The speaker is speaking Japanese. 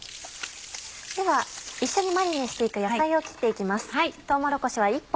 では一緒にマリネして行く野菜を切って行きます。